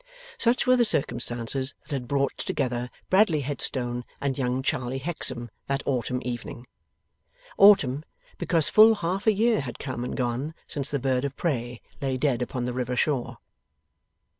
Such were the circumstances that had brought together, Bradley Headstone and young Charley Hexam that autumn evening. Autumn, because full half a year had come and gone since the bird of prey lay dead upon the river shore.